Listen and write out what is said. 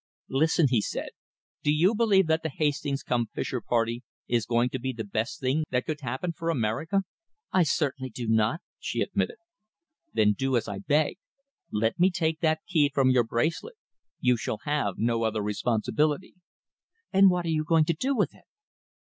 "Listen," he said; "do you believe that the Hastings cum Fischer party is going to be the best thing that could happen for America?" "I certainly do not," she admitted. "Then do as I beg. Let me take that key from your bracelet. You shall have no other responsibility." "And what are you going to do with it?"